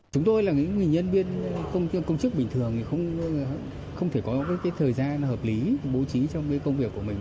chúng tôi là những người nhân viên công chức bình thường thì không thể có cái thời gian hợp lý bố trí trong cái công việc của mình